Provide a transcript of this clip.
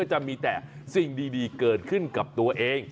จะมีแต่สิ่งดีเกิดขึ้นกับตัวเอง